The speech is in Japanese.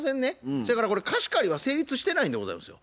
そやからこれ貸し借りは成立してないんでございますよ。